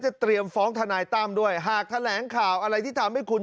เตรียมฟ้องทนายตั้มด้วยหากแถลงข่าวอะไรที่ทำให้คุณ